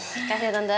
makasih ya tante